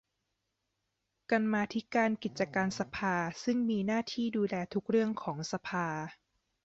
กรรมาธิการกิจการสภาซึ่งมีหน้าที่ดูแลทุกเรื่องของสภา